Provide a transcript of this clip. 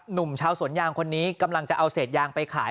หนุ่มชาวสวนยางคนนี้กำลังจะเอาเศษยางไปขาย